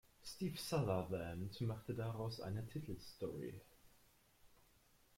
Steve Sutherland machte daraus eine Titelstory.